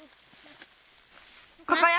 ここよ。